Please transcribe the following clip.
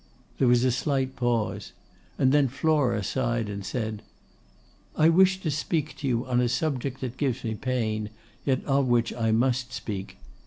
There was a slight pause; and then Flora sighed and said, 'I wish to speak to you on a subject that gives me pain; yet of which I must speak.